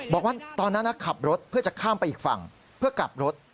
บอกว่าตอนนั้นขับรถเพื่อจะข้ามไปอีกฝั่งเพื่อกลับรถ